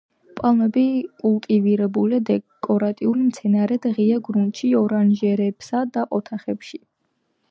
პალმები კულტივირებულია დეკორატიულ მცენარედ ღია გრუნტში, ორანჟერეებსა და ოთახებში.